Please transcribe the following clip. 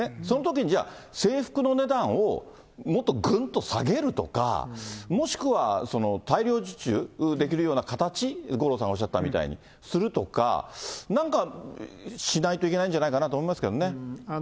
そのときにじゃあ、制服の値段を、もっとぐんと下げるとか、もしくは大量受注できるような形、五郎さんがおっしゃったみたいにするとか、なんかしないといけないんじゃないかなと思いますけどもね。